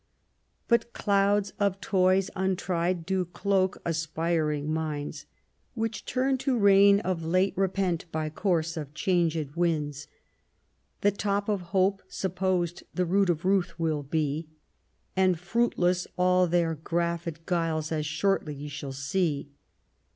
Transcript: But clouds of toys untried do cloak aspiring minds. Which turn to rain of late repent by course of changed winds. The top of hope supposed the root of ruth will be, And fruitless all their graffed guiles, as shortly ye shall see.